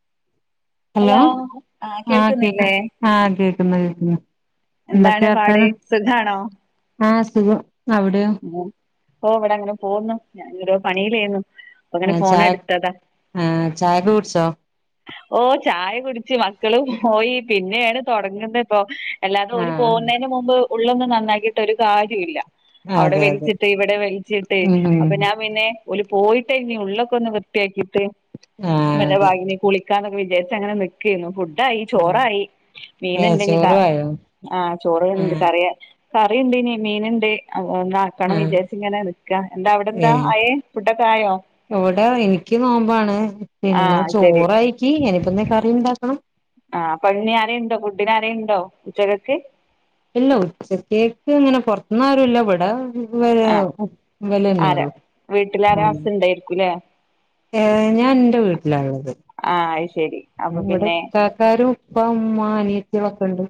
[inaudible] Hello ആ കേക്ക ആ കേക്കുന്ന് കേക്കുന്ന് എന്താണ് പാട് എന്തൊക്കെയർത്താനം സുഖാണോ ആ സുഖം അവിടെയോ ഓ ഇവിട അങ്ങനെ പോകുന്നു ഞാാനങ്ങരോ പണിലേന്നു ആ ചായ ആ ചായ ഫ്രൂട്ട്സോ ഓ ചായ കുടിച്ച് മക്കളും പോയി പിന്നെയാണ് തുടങ്ങുന്നത് ഇപ്പോ അല്ലാതെ ഓല് ആഹ് പോകുന്നേന് മുമ്പ് ഉള്ളൊന്നും നന്നാക്കിട്ട് ഒരു കാര്യഇല്ല അവിടെ അതെ അതെ വലിച്ചിട്ട് ഇവിടെ വലിച്ചിട്ട് ഉം ഉം അപ്പൊ ഞാൻ പിന്നെ ഓല് പോയിട്ട ഇഞ്ഞ ഉള്ളൊക്കെ ഒന്ന് വൃത്തിയാക്കിയിട്ട് ആഹ് അതെ [unintelligible] കുളി ക്കാനൊക്കെ വിജാര്ച്ച് അങ്ങനെ നിക്കേനു ഫുഡായി ചോറായി മീന ഏഹ് ഇണ്ടനിട്ടോ ചോറു ആയോ ആ ചോറ്ണ്ട് ആഹ് കറിയ കറിയുണ്ട് ഇനി മീൻണ്ട് ഒ ഒന്നാക്കണം ആഹ് വിജാര്ച്ചിങ്ങനെ നിക്കാ എന്താ അവിടെന്താ ആയേ ഫുടൊക്കെ ആയോ വടെ എനിക്ക് നോമ്പാണ് പിന്നെ ആഹ് ശരി ചോറായിക്കി എനിപ്പന്ന കറി ഉണ്ടാക്കണം ആ [unintelligible] ആരെണ്ടോ ഫുഡന് ആരെണ്ടോ ഉച്ചകക്ക് ഇല്ല ഉച്ചത്തേക്ക് ഇങ്ങനെ പൊർത്ത്ന്ന് ആരുല്ല ഇവിട വില ആഹ് ആരാ വിലന്നെള്ളു വീട്ടിലാരാ ആ ഹസ് ഇണ്ടായിരിക്കൂല്ലേ ഏ ഞാൻ ഇന്റെ വീട്ടിലാള്ളത് ആഹ് അത് ശരി അപ്പൊ ഇവിടെ പിന്നെ ഇത്താത്താരും ഇപ്പ ഇമ്മ അനിയത്തളൊക്കെണ്ട്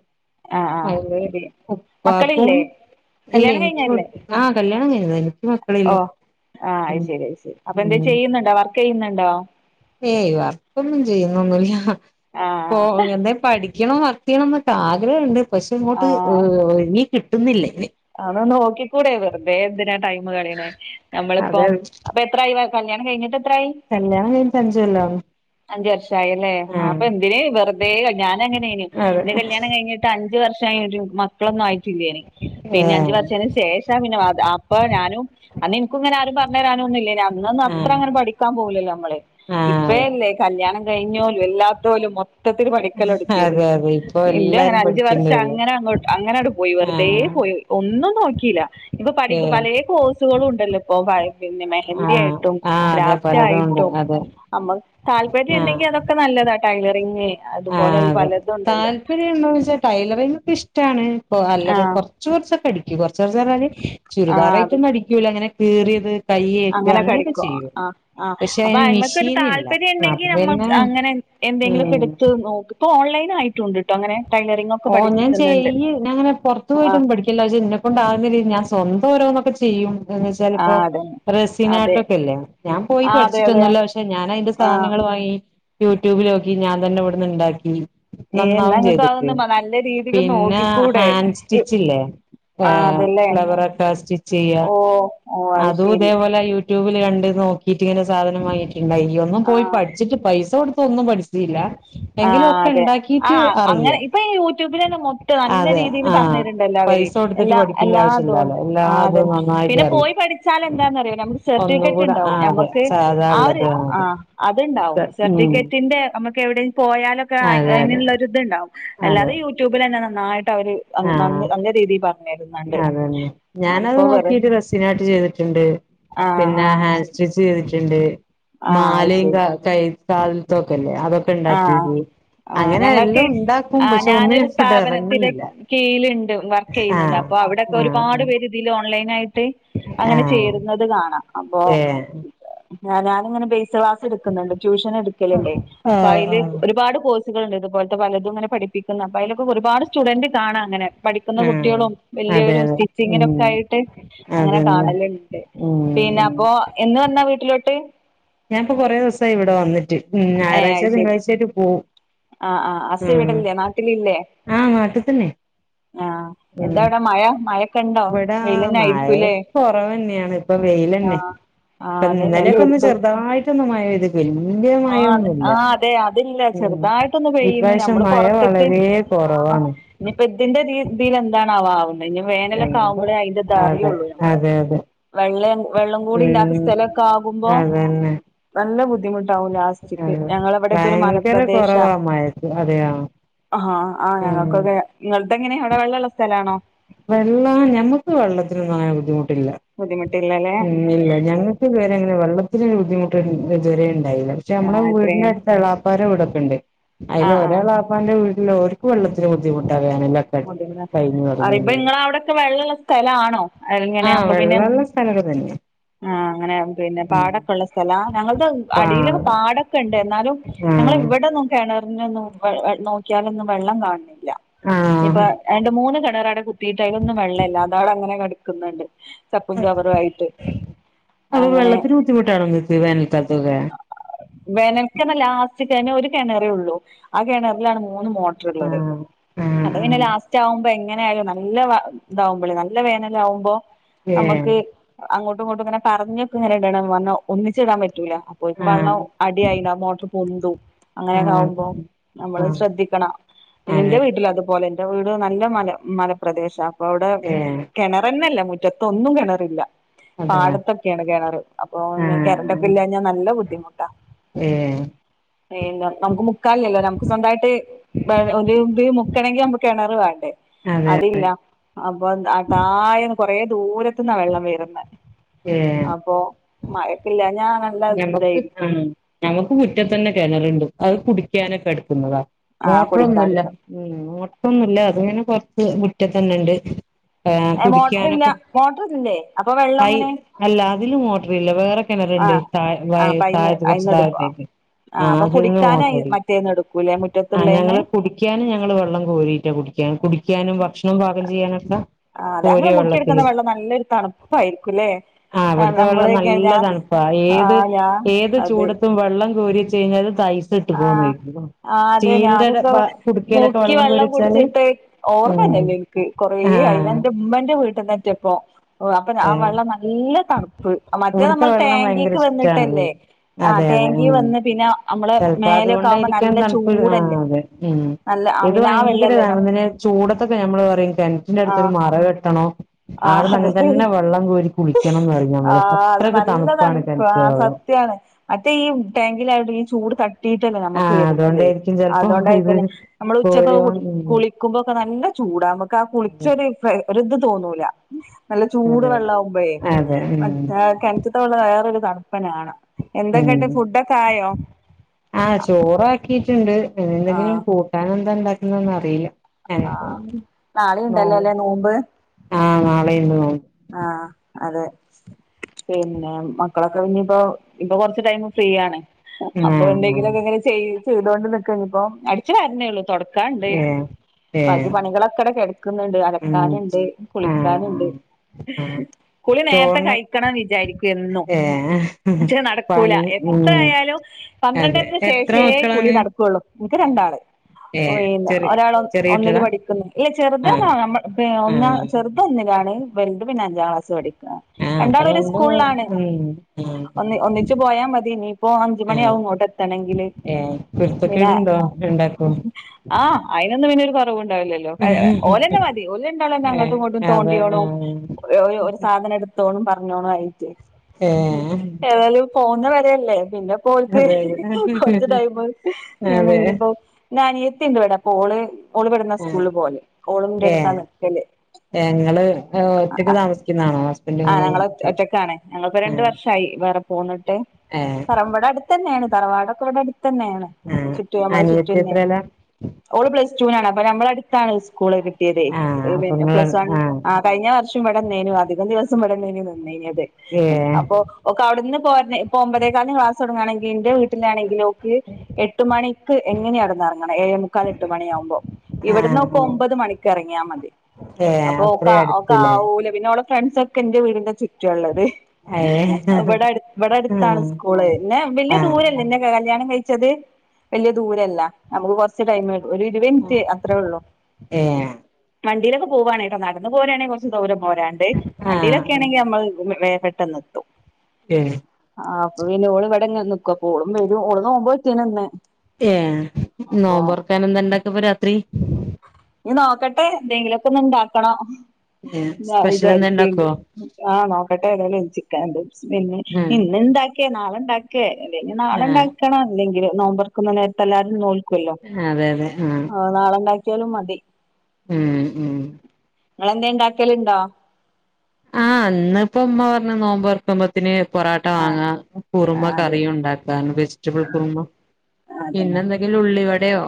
ആഹ് ആഹ് [unintelligible] അതെ ഉപ്പാക്കും മക്കളില്ലേ ഇല്ല കല്യാണം എനിക്ക് കഴിഞ്ഞല്ലേ ആ കല്യാണം കഴിന്നതന്നെ എനിക്ക് മക്കളില്ല ആ അഅ് ഉം ശരി അഅ് ശരി അപ്പൊ എന്താ ഉം ചെയ്യുന്നുണ്ടോ വർക്ക് ചെയ്യുന്നുണ്ടോ ഏയ് വർക്കൊന്നും ചെയ്യുന്നൊന്നുമില്ല പോ ആഹ് എന്തേം പഠി ക്കണം വർക്ക് ചെയ്യണ എന്നട്ട് ആഗ്രഹമുണ്ട് പക്ഷെ ഇങ്ങോട്ട് ഇനീ കിട്ടുന്നില്ലേ അതന്ന് നോക്കിക്കൂടെ വെറുതെ എന്തിനാ ടൈം കളണേ നമ്മളിപ്പോ അതെ അപ്പൊ എത്ര കല്യാണം കഴിഞ്ഞിട്ട് എത്രായി കല്യാണം കഴിഞ്ഞിട്ട് അഞ്ചുകൊല്ലം ആവുന്നു അഞ്ച് വർഷ ആയി അല്ലേ ആ അപ്പ എന് വെറുതെ ഞാന അങ്ങനെ കഞ്ഞു അതെ എന്റെ കല്യാണം കഴിഞ്ഞിട്ട് അഞ്ച് വർഷം മക്കളൊന്നും ആയിട്ടില്ല പിന്നെ അഞ്ചു ഏഹ് വർഷത്തിന് ശേഷം പിന്നെ അപ്പൊ ഞാനും അന്നു എനിക്കും ഇങ്ങനെ ആരും പറഞ്ഞു തരാനൊ ഒന്നുമില്ല അന്നന്ന് അത്ര ആഹ് അങ്ങനെ പഠിക്ക ൻ പോലല്ലോ നമ്മള് ആഹ് ഇപ്പല്ലേ കല്യാണം കഴിഞ്ഞോലും എല്ലാത്തോലും മൊ മൊത്തത്തിൽ പഠിക്കലോ എടുത്തിയത് അതെ അതെ ഇപ്പൊ എന്റെ അങ്ങനെ എല്ലാരും അഞ്ച് വർഷം പഠിക്കണ്ടല്ലോ അങ്ങനെ അങ്ങോട്ട് അങ്ങനെ അങ്ങട് പോയി വെറുതെ ആഹ് പോയി ഒന്നും നോക്കിയില്ല ഇപ്പൊ പഠി ഏഹ് പല കോഴ്സുകളും ഉണ്ടല്ലോ ഇപ്പൊ പിന്നെ മെഹന്തി ആഹ് ആയിട്ടും ആഹ് അതെ ക്രാഫ്റ്റ് പലതും ഉണ്ട് ആയിട്ടും. അതെ അമ്മ താല്പര്യം ആഹ് ഉണ്ടെങ്കി അതൊക്കെ നല്ലതാ ടൈലറിങ് അതുപോലെ ആഹ് അതെ പലതും ഉണ്ടല്ലോ താല്പര്യം ഇണ്ടോ വെച്ചാ ടൈലറിങ് ഒക്കെ ഇഷ്ടമാണ്. അല്ല ആഹ് കുറച്ച് കുറച്ചൊക്കെ അടിക്കും കുറച് കുറച്ചൊന്നു പറഞ്ഞാല് ചുരിദാറായിട്ടൊന്നു അടിക്കൂല്ല അങ്ങനെ കീറിയത് കയ്യേക്ക് അങ്ങനെക്കെ അങ്ങനെയൊക്കെ അടിക്കും ചെയ്യും ആ ആ പക്ഷെ അപ്പൊ അതിന് അതുമ്മക്ക് ഒരു മെഷീനില്ല താല്പര്യം ഉണ്ടെങ്കി അപ്പൊ നമ്മൾ പിന്നെ അങ്ങനെ എന്തെങ്കിലൊക്കെ ഉം എടുത്ത് നോ ഇപ്പ ഓൺലൈൻ ആയിട്ടുണ്ട് ട്ടോ അങ്ങനെ ടൈൽ ഓ ഞാൻ ചെയ്യൂ ഞാ അങ്ങനെ പുറത്ത് ആഹ് പോയിട്ടോന്നും പഠിക്കൂല എന്നെ കൊണ്ട് ആകുന്ന ഞാൻ സ്വന്തം ഓരോന്നൊക്കെ ചെയ്യും എന്ന് വെച്ച ഇപ്പോ ആഹ് അതന്നെ റെസിൻ അതെ ആട്ടൊക്കെല്ലേ ഞാൻ പോയി ആഹ് അതെ അതെ പഠിച്ചിട്ടൊന്നുമല്ല പക്ഷെ ഞാൻ അതിന്റെ ആഹ് സാധനങ്ങൾ വാങ്ങി യൂട്യൂബിലോക്കി ഞാൻ തന്നെ ഇവിടുന്ന് ഉണ്ടാക്കി. ഏ നന്നാവും നിങ്ങക്ക് ചെയ്തിക്ക് അതൊന്ന് നല്ല രീതിൽ പിന്നെ നോക്കിക്കൂടെ? ഹാൻഡ് സ്റ്റിച്ചില്ലേ ആ ഏഹ് അതല്ലേ ഫ്ലവറൊക്കെ സ്റ്റിച്ച് ചെയ്യ ഓ. ഓ അത് അതും ശരി ഇതേപോലെ യൂട്യൂബിൽ കണ്ട് നോക്കിട്ട് ഇങ്ങനെ സാധന വങ്ങ പിന്ന ഈയ് ഒന്നും ആ പോയി പഠിച്ചിട്ട് പൈസ കൊടുത്ത ഒന്നും പഠിച്ച ആ അതെ ആ അങ്ങനെ ഇപ്പൊ ഈ യൂട്യൂബിൽ തന്നെ മൊത്തം നല്ല അതെ രീതിയിൽ പറഞ്ഞു ആഹ് തരുന്നുണ്ടല്ലോ. ര് പൈസ കൊടുത്തിട്ട് എല്ലാ പഠിക്കേണ്ട എല്ലാ ആവശ്യമില്ലാലോ അതൊണ്ട് ആ അതെ എല്ലാതും നന്നായിട്ട് പിന്നെ അറിയും പോയി പഠിച്ചാൽ എന്താന്നറിയ നമുക്ക് ഒന്നും സർട്ടിഫിക്കറ്റ് കൂടെ ഉണ്ടാവും ആ അതെ നമുക്ക് സാധാ ആ ഒരു ഉള്ളത് ആ അതെ അത് ഉണ്ടാവും. ഉം സർട്ടിഫിക്കറ്റിന്റെ എവിടെ പോയാലൊക്കെ അതെ അതെ അങ്ങനുള്ളരിത്ണ്ടാവും അതെ അല്ലാതെ യൂട്യൂബിൽ തന്നെ നന്നായിട്ട് അവര് ആഹ് നല്ല രീതിയിൽ പറഞ്ഞു അതന്നെ ഞാനത് വെറു നോക്കിട്ട് റസിനാട്ട് ചെയ്തിട്ടുണ്ട്. ആ ആ പിന്നെ ഹാൻഡ് ശരി സ്റ്റിച്ച് ചെയ്തിട്ടുണ്ട് ആഹ് അത് മാലയും ശരി കൈ കാതിലത്തെ ഒക്കെല്ലേ? അതൊക്കെ ഇണ്ടാക്കി ആ ഞങ്ങൾക്ക് ആ ഞാനൊരു ഇങ്ങോട്ട് സ്ഥാപനത്തി ഇറങ്ങിയില്ല കീഴിലുണ്ട് വർക്ക് ചെയ്യുന്നുണ്ട് ആഹ് അപ്പൊ അവിടെക്കെ ആഹ് ഒരുപാട് പേര് ഇതിൽ ഓൺലൈൻ ആയിട്ട് അങ്ങനെ ചേരുന്നത് കാണാം. അപ്പൊ ഏ. ഞാനിങ്ങനെ ബേസ് ക്ലാസ് എടുക്കുന്നുണ്ട് ട്യൂഷൻ എടുക്കലുണ്ടേ അപ്പൊ ആഹ് അതില് ആഹ് ഒരുപാട് കോ ണ്ട് ഇതുപോലത്തെ പലതും അങ്ങെന പഠിപ്പിക്കുന്ന അതിലൊക്കെ ഒരുപാട് സ്റ്റുഡൻ്റ് കാണാം അങ്ങനെ പഠിക്കുന്ന ആഹ് കുട്ടികളും അതെ വലിയൊരു അതെ ഉം സ്റ്റിച്ചിങ്ങിനൊക്കെ ആയിട്ട് അങ്ങനെ അതന്നെ കാണലുണ്ട്. ഉം പിന്നെ ഉം അപ്പൊ എന്ന് വന്നാ വീട്ടിലോട്ട്? ഞാൻ ഇപ്പോ കുറെ ദിവസായി ഇവിടെ വന്നിട്ട് ഞായറാഴ്ചോ തിങ്കളാഴ്ചായിട്ട് പോവും. ആ ആ അസി ഉം ഇവിടല്ലേ നാട്ടിൽ ഇല്ലേ? ആഹ് നാട്ടി തന്നെ ആ എന്താ ഉം അവിടെ മഴ മഴ ഇവിടാ മഴ കൊറവന്നെയാണ് ഇപ്പൊ വെയിലന്നെ. ആഹ് ആഹ് ഇപ്പം അതന്നെ ഇന്നലെയൊക്കെ ഒന്ന് എല്ലോട്ത്തും ചെറുതായിട്ടോന്ന് മഴ വലിയ ആഹ് മഴൊന്നുല്ല ആഹ് അതെ അതില്ല എം ചെറുതായിട്ടൊന്ന് ഇപാവശ്യം മഴ വളരെ ആ കൊറവാണ് ഇനിപ്പോ ഇതിന്റെതിൽ എന്താണ് ആവാ ഇനി വേനലൊക്കെ ആവുമ്പോഴേ അതിന്റെ ത് അതെ അറിയുള്ളു നമ്മള്. അതെ അതെ വെള്ളം വെള്ളം കൂടി ഇല്ലാത്ത ഉം സ്ഥലമൊക്കെ ആകുമ്പോ അതന്നെ നല്ല ബുദ്ധി വും ലാസ്റ്റിക്ക് അതെ ഞങ്ങളവിടെയൊക്കെ ഒരു ഭയങ്കര മലപ്രദേശാ. കൊറവാ മഴക്ക് അതെയോ ആഹാ ആ ഉം ഞങ്ങൾക്കൊക്കെ നിങ്ങൾക്ക് എങ്ങനെയാ അവിടെ വെള്ളള്ള സ്ഥലാണോ? വെള്ളം ഞമ്മക്ക് വെള്ളത്തിനൊന്നും അങ്ങനെ ബുദ്ധിമു ട്ടിഇല്ല ബുദ്ധിമുട്ടില്ലല്ലേ ഞങ്ങൾക്ക് ഇത് വെരങ്ങനെ വെള്ളത്തിന് ബുദ്ധിമുട്ട് ഇതുവരെ യില്ല പക്ഷെ നമ്മളെ ആഹ് വീടിന്റെ ഇത്രയും അടുത്ത് എളാപ്പാര വീടക്കുണ്ട് അതിൽ ആഹ് ആഹ് ഒരു എളാപ്പാന്റെ വീ ല്ലർക്ക് വെള്ളത്തിന് ബുദ്ധിമുട്ട [unintelligible] കഴിഞ്ഞ അറിയ മ്പോനിങ്ങള അവിടെൊക്കെ വെള്ളമള്ള സ്ഥല ആണോ അങ്ങനെ ആഹ് അപ്പൊ പിന്നെ വെള്ളള്ള സ്ഥലൊക്കെ തന്നെ ആ അങ്ങനെ പിന്നെ പാടൊക്കെ ള്ള സ്ഥലാ ഞങ്ങളത്അടിയിലൊക്കെ പാടം പാടൊക്കെ ഉണ്ട് എന്നാലും ഞങ്ങൾ ആഹ് ഇവിടെന്നും കിണറിനൊന്നും നോക്കിയാലൊന്നും വെള്ളം കാണണില്ല ഇപ്പൊ ആഹ് രണ്ട് മൂന്ന് കിണർ അവിടെ കുത്തിട്ട അതിലൊന്നും വെള്ളമല്ല അതാട അങ്ങനെ കിടക്കുന്നുണ്ട് ചപ്പും ചവറായിട്ട് അപ്പൊ വെള്ളത്തിന് ബുദ്ധിമുട്ടാണോ നിങ്ങൾക്ക് വേനൽക്കാലത്തൊക്കെ വേനൽക്ക് ലാസ്റ്റ് ഒരുകിണറുള്ളൂ ആ കെണറിലാണ് മൂ മൂന്ന് മോട്ടറള്ളത് ആഹ് ആഹ് പിന്നെ ആഹ് ലാസ്റ്റ് ആകുമ്പോ എങ്ങനെയായാലും നല്ല ഇതാവുമ്പോളേ നല്ല വേനല ആകുമ്പോ ഏ അങ്ങോട്ടും ഇങ്ങട്ടും ഇങ്ങനെ പറഞ്ഞക്കെ ഇടണം വന്ന് ഒന്നിച്ച് ഇടാൻ പറ്റൂലാ അപ്പോക്ക് ആഹ് വെള്ളം അടിയായില്ല മോട്ടർ പൊന്തും അങ്ങനെയൊക്കെ ആഹ് ആകുമ്പോ നമ്മള് ആഹ് ശ്രദ്ധിക്കണം അതെ എന്റെ വീട്ടിലത് എൻ്റെ വീട് നല്ല മല പ്രദേശാണ് അപ്പോ അവിടെ ഏഹ് കെണറന്നെ ല്യാ മുറ്റത്ത ഒന്നും കിണറില്ല അതാ പാടത്തൊക്കെയാണ് കെണറ് അപ്പോ കരന്റൊക്കെ ആഹ് ഇല്ലാഞ്ഞാ നല്ല ബുദ്ധിമുട്ടാ ഏഹ് പി നമുക്ക് മുക്കാലല്ലോ നമുക്ക് സ്വന്തമായിട്ട് ഒരു കിണർ വേണ്ടേ അതെ അതില്ല അപ്പോ താഴെയാണ് കൂറെ ദൂരത് അന്നാ വെള്ളം വെരുന്ന ഏ മഴക്കില്ല ഞാ ഞമ്മക്ക് ആ ഞമ്മക്ക് മു റ്റത്തന്നെ കിണറുണ്ട് അത് കുടിക്കാനൊക്കെ എടുക്കുന്നതാ ആ മോട്ടറൊന്നുമല്ല കുടിക്കാടുക്ക ഉ മോട്ടർൊന്നുമല്ല അത്ങ്ങനെ കൊറച്ച് മുറ്റ തന്നെ ഉണ്ട് ഏ മോട്ടറില്ല കുടിക്കാനൊക്കെ മോട്ടറില്ലേ അപ്പൊ വെള്ളം അങ്ങനെ അല്ല അതിലും മോട്ടറി ഇല്ല വേറെ ആ കിണറണ്ട് ത വ ആ അപ്പ അയിന്ന് താഴത്ത് കുറച്ച് അയിന്ന് എടുക്കുവോ താഴത്തേക്ക് ആ അപ്പൊ അതിൽന്ന് കുടിക്കാനായി മോട്ടർടി മറ്റേന്ന് എടുക്കൂലേ ആ മുറ്റത്തുള്ളേന്ന് ഞങ്ങള് കുടിക്കാൻ ഞങ്ങള് വെള്ളം കോരിട്ടാ കുടി കുടിക്കാനും ഭക്ഷണം പാകം ചെയ്യാനു ഒക്കെ ആ് അതെ അങ്ങനെ മുക്കിയെടുക്കുന്ന വെള്ളം നല്ലൊരു തണുപ്പായിരിക്കുംല്ലേ ആ അവിടുത്തെ വെള്ളം നമ്മള് നല്ല ഞാൻ തണുപ്പാ ആ ഏത് ഞാൻ ഏത് അത് ചൂടത്തും വെള്ളം കോരിച്ച് കഴിഞ്ഞാൽ ഐസ് ഇട്ട് പോണേർക്കോ ആ അതെ ഞാനിപ്പ മൂക്കി കോരി വെള്ളം വെച്ചാല് കുടിച്ചിട്ട് ഉം ഓർമ്മന്നല്ലേ എനിക്ക് കൊറെ ആഹ് അതിനൻ്റെ ഉമ്മൻ്റെ വീട്ടിന്ന് എത്തിയപ്പോ ഓ അപ്പൊ ആ ഏ വെള്ളം നല്ല തണുപ്പ് മറ്റേ ഇവിടുത്തെ നമ്മൾ വെള്ളം ഭയങ്കര ടാങ്കിക്ക് ഇഷ്ടാണ് വന്നിട്ടല്ലേ ആ അതെ അതെ ടേങ്കി ഉം വന്ന് പിന്നെ നമ്മള് ചെലപ്പോ മേലൊക്കെ ആവുമ്പോ അതുകൊണ്ടായിരിക്കൻ നല്ല തണുപ്പ ആ ചൂടല്ലേ അതെ ഉ നല്ല ആ ഇത് പിന്നെ ആ ഭയങ്കര വെള്ളല്ലേ ഇതാണ് നം പിന്നെ ചൂടത്തൊക്കെ ഞമ്മള് പറയും കിണറ്റിന്റെ അടുത്ത ഒരു ആഹ് മറ കെട്ടണം ആഹ് ആവിടുന്ന് അങ്ങനെ അതെ തന്നെ വെള്ളം കോരി കുളിക്കണംന്ന് പറഞ്ഞ നമ്മള് അത്രയൊക്കെ തണുപ്പാണ് കിണറ്റിലെവെള്ളം ത്യാണ് മറ്റേ ഈ ടാങ്കില ഈ ചൂട് കട്ടിട്ടല്ലേ നമ്മുക്ക് ആഹ് വരുന്നത് അതുകൊണ്ടായിരിക്കും ചെലപ്പോ അതുകൊണ്ട ഇത് ആയിരിക്കുംപിന്നെ നമ്മൾ ഉച്ചക്കെ കോരുവാ ഉം കുളിക്കുമ്പോക്കെ നല്ല ചൂ ചൂടാ നമുക്ക് ആ അതെ കുളിച്ചരു ഒ രുഇത് തോന്നൂല നല്ല ചൂട് അതെ വെള്ളമാകുമ്പോയേ അതെ ഉം മറ്റേ കിണറ്റിത്തെ വെള്ളം വേറെ തണുപ്പാ ഉ ആയോ ആ ചോറാക്കിട്ട് ണ്ട് ഇെ എന്തെങ്കിലും ആഹ് കൂട്ടാൻ എന്താ ഉണ്ടാക്കുന്ന അറിയില്ല അ നാളീം ആ ഇണ്ടല്ലോ ല്ലേ ആഹ നാളെന്ന് നോമ്പ് ആഹ അതെ പിന്നെ മക്കളൊക്കെ ഇനി ഇപ്പോ ഇപ്പൊ കൊറച്ച് ടൈമ് ഫ്രീയാണ് അപ്പൊ ആഹ് ആഹ് എന്തെങ്കിലുമൊക്കെ ഇങ്ങനെ ചെയ്യും ചെയ്തോണ്ട് നിക്കാണ് ഇപ്പൊ അടിച്ച് വാരണേയുള്ളൂ തുടക്കാനുണ്ട് ഏഹ് ബാക്കി ഏഹ് പണികളൊക്കെ ഇവിടെ കെട ക്കുന്നുണ്ട് ഉം അലക്കാനുണ്ട് കുളിക്കാനുണ്ട് ആഹ് ആഹ് കുളി നേരത്തെ ചോറിന് കഴിക്കണോന്ന് വിചാരിക്കും ഉന്നും. ഏഹ് പക്ഷെ നടക്കൂല പണി എത്ര ഉം ആയാലും അതെ പന്ത്രണ്ടരക്ക്‌ എത്ര ശേഷേ കുളി മക്കളാണ് ന നടക്കുള്ളു. ഇൻക്ക് രണ്ടാള്. ഏഹ് പോയിലൊ ചെറിയ ഒരാൾ ചെറിയ ഒന്നില് കുട്ടികളാ പഠിക്കുന്ന്. ഇല്ല ചെറുതന്ന ആഹ് നമ്മ ഒന്നാം ആഹ് ചെറുത് ഒന്നിലാണ്. വലുത് പിന്നെ അഞ്ചാം ക്ലാസിലാ പഠിക്ക ആഹ് അപ്പൊ രണ്ടാൾ ഒരു രണ്ട് സ്കൂളിലാണ്. ഉം ആഹ് ഒന്ന് ഒന്നിച്ച് പോയാ മതി ഇനിയിപ്പോ അഞ്ച് ആഹ് മണിയാവും ഇങ്ങോട്ട് എത്തണെ എങ്കില്. ഏഹ് പിന്നെ കുരുത്തക്കേടുണ്ടോ രണ്ടാക്കും ആഹ് അയിനൊന്നും പിന്നെയൊരു കൊ കുറണ്ടാവില്ലല്ലോ. ഓലന്നെ മതി ഓല് രണ്ടാളും അന്നെ അങ്ങട്ടും ഏഹ് ഇങ്ങട്ടും അതെ തോണ്ട്യോണും ആഹ് ഒരു ഒരു സാധനം എടുത്തോണും പറഞ്ഞോണം ആയിട്ട്. ഏഹ് ഏതായാലും പോവുന്ന വരയല്ലേ പിന്നെ പ്പോൽക്ക്‌ അതെ അതെ കൊറച്ച് ടൈംമ് പിന്നെ അതെ ഇനിപ്പോ ഇന്റെ അനിത്തിയിണ്ട് ഇവിടെ അപ്പ ഓള് ഓള് ബെട്ന്ന ആഹ് സ്കൂളിൽ പോവല്. ഓള് ഇന്റെ അടുത്താ നിക്കല് ഓഹ് ഒറ്റക്ക് താമസിക്കുന്നാണോ ഹസ് ആഹ് ഞങ്ങള് ഒറ്റ് ഒറ്റക്കാണ്. ഞങ്ങള്പ്പോ രണ്ട് വർഷായി വേറെ പോന്നിട്ട്. ഏഹ് പറമ്പട അടുത്തൻ ന്നേ ആണ്. തറവാടൊക്കെ ഇവിടെ അടുത്തന്നെയാണ് ആഹ് ചുറ്റു ഞമ്മളെ ചുറ്റു അനിയത്തി അന്നെയാണ്. എത്രേലാ ഓള് പ്ലസ് ടു നാണ് അപ്പ ഞമ്മളട് ത്താണ് സ്കൂള് കിട്ടിയതെ ആഹ് അപ്പൊ പിന്നെ ഇങ്ങള് പ്ലസ് വൺ ആഹ് കഴിഞ്ഞ വർഷം ഇവിടന്നേനു അധികം ദിവസ് ഇവിടന്നേനി നിന്നീന്യത് ഏഹ് അപ്പൊ ഓൾക്ക് അവിടുന്ന് പോരണ് ഇപ്പോ ഒമ്പതേകാലിനു ക്ലാസ് തുടങ്ങാണെങ്കിൽ ഇന്റെ വീട്ടിലാണെങ്കിൽ ഓൾക്ക് എട്ട് മണിക്ക് എങ്ങനെയ അവിടെന്നറങ്ങണം ഏഴേമുക്കാൽ എട്ട് മണിയാകുമ്പോ ഇവിടന്ന് ഓൾക് ആഹ് ഒമ്പത് മണിക്ക് എറങ്ങിയാ മതി. ഏഹ് അപ്പൊ ഒക്ക അത്രേ അടുത്തുല്ലേ ഒക്കാവൂല പിന്നെ ഓളെ ഫ്രണ്ട്സൊക്കെ ഇന്റെ വീടിന്റെ ചുറ്റാള്ളത്. ഏഹ് ഇവടെ ഇവടെ അടുത്താണ് ആഹ് സ്കൂള്. എന്നെ വലിയ ആഹ് ദൂരല്ല ഇന്നെ കല്യാണം കഴിച് ച്ചത് വല്യ ദൂരല്ല നമുക്ക് കുറച്ച് ടൈമെ ഒരു ഇരുവെൻറ്റ് അത്രേ ഉള്ളൂ. ഏഹ് വണ്ടിയിലൊക്കെ പോവാണേട്ടോ നടന്ന് പോരാണെങ്കിൽ കുറച്ച് ദൂരം ഓരാണ്ട് വണ്ടീയിലൊക്കെ ആഹ് ആണെങ്കിൽ നമ്മൾ വേം പെട്ടെന്ന് എത്തും ഏഹ് ആ അപ്പൊ പിന്നെ ഓളിവിടങ്ങനെ നിക്കൊ അപ്പൊ ഓളും വരും ഓള് നോമ്പോറ്റീന്നുന്ന് ഏ നോമ്പൊറക്കാനെന്താണ്ടാക്കപ്പ രാത്രി ഞ്ഞി നോക്കട്ടെ എന്തെങ്കിലൊക്കൊന്ന്ണ്ടാക്കണം ഞാൻ സ്പെഷ്യൽ എന്താ വിചാരിക്ക്ണ്ട് ഇണ്ടാക്കോ ആ നോക്കട്ടെ ഏതായാലും ചിക്കന്ണ്ട് പിന്നെ ഉം ഇന്ന്‌ണ്ടാ ക്കെ നാളെണ്ടാക്കേ എന്തേ ഇനി നാളെ ആഹ് ഉണ്ടാക്കണ അല്ലെങ്കില് നോമ്പർക്കുന്ന നേരത്ത് എല്ലാരും നോ ല്ലല്ലോ അതെ അതെ ആഹ് ആ നാളെണ്ടാക്കിയാലും മതി ഉം ഉം ങ്ങളെന്തേ ണ്ടാക്കലുണ്ടോ? ആ ന്ന് പ്പൊ മ്മ പറഞ്ഞു നോമ്പോർക്കുമ്പോത്തിന് പൊറോട്ട ആഹ് വാങ്ങാ കുറുമ ആഹ് അതെ കറിയുണ്ടാക്കാ വെജിറ്റബിൾ കുറുമ പിന്നെന്തെങ്കിലുള്ളിവടയോ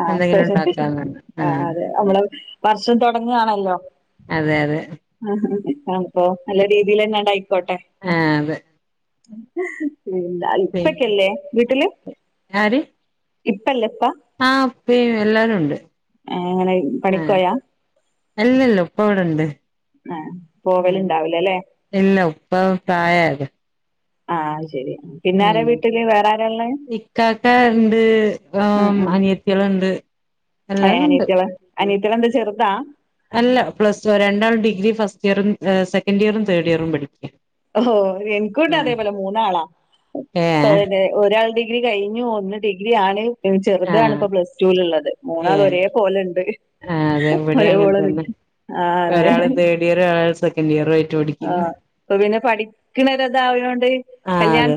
ആ ശരി ആ അതെ നമ്മളെ വർഷം തൊടങ്ങാണല്ലോ അതെ അതെ അപ്പൊ നല്ല രീതിലന്നണ്ടായിക്കോട്ടെ ആഹ് അതെ ന്താ പിന്നെ ഇപ്പക്കല്ലേ വീട്ടില് ഇപ്പല്ലേപ്പ ആ ഇപ്പീ എല്ലാരുണ്ട് ഏഹ് അങ്ങനെ ആ പണിക്കോയാ അല്ലല്ലോ ഉപ്പവെടൊണ്ട് ആഹ് ഉം പോവലുണ്ടാവൂലല്ലേ ഇല്ല ഉപ്പ പ്രായായത് ആ അഹ് ശരി പിന്നാരാ വീട്ടില് വേറാരാ ഇക്കക്കാണ്ട് ഓ അനിയത്തേള്ണ്ട് ഏ അനിയത്തേള് അനിയത്തേളെന്താ ചെറുതാ അല്ല പ്ലസ് വ രണ്ടാളും ഡിഗ്രി ഫസ്റ്റിയറും എ സെക്കന്റിയറും തേർഡിയറും പഠിക്ക ഒഹോ എനിക്കുണ്ടതേപോലെ മൂന്നാളാ ഏ പൊയെന്നെ ഒരാള് ഡി ഡിഗ്രി കയ്ഞ്ഞു ഒന്ന് ഡിഗ്രി ആണ് ഇത് ആഹ് ചെറുതാണിപ്പോ പ്ലസ്ടുലുള്ളത് ഏ മൂന്നാളും ഒരേ പോലെണ്ട് ആ അതെ വിടീ അങ്ങൻ ഒരേപോലെ തന്നെ നിക്ക് ആ ഒരാള് തേർഡിയറ് ഒരാള് സെക്കന്റിയറ് ആയി ആഹ് അപ്പൊ പിന്നെ പഠിക്കണരതായോണ്ട് ആഹ് അതെ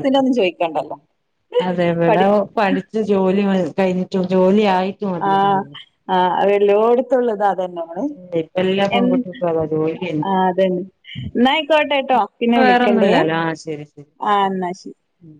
അതെ എവിട പഠി പഠിച്ചു ജോലി കഴിഞ്ഞിട്ട് ഒരു ജോലിയായി ആഹ് ആല്ലോടുത്തുള്ളതാ എന്ന് ഇപ്പ എല്ലാ പെൺകുട്ടികൾക്കും അതാ ജോലിയന്നെ ആഹ് അതന്നെ എന്ന ആയിക്കോട്ടെ കേട്ടോ പിന്നെ വിളിക്കണ്ടേ വേറൊന്നുമില്ലല്ലോ ആ ശരി ശരി ആ അന്നാശി ഉം